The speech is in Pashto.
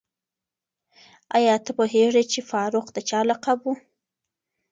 آیا ته پوهېږې چې فاروق د چا لقب و؟